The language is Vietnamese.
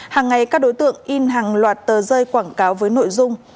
hàng ngày các đối tượng in hàng loạt tờ rơi quảng cáo với nội dung